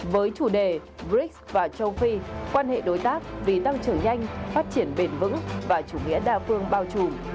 với chủ đề brics và châu phi quan hệ đối tác vì tăng trưởng nhanh phát triển bền vững và chủ nghĩa đa phương bao trùm